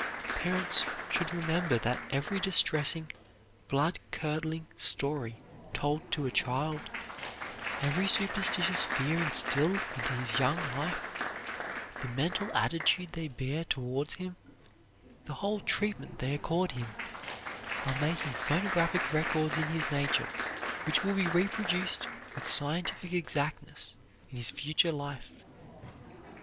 Parents should remember that every distressing, blood curdling story told to a child, every superstitious fear instilled into his young life, the mental attitude they bear towards him, the whole treatment they accord him, are making phonographic records in his nature which will be reproduced with scientific exactness in his future life.